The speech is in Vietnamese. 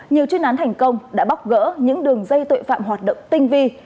nhiều chuyên án thành công đã bóc gỡ những đường dây tội phạm hoạt động tinh vi